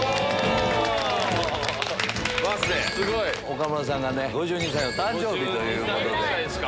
岡村さんが５２歳の誕生日ということで。